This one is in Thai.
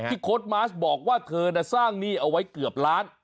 โค้ดมาสบอกว่าเธอน่ะสร้างหนี้เอาไว้เกือบล้าน